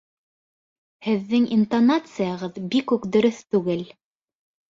Һеҙҙең интонацияғыҙ бик үк дөрөҫ түгел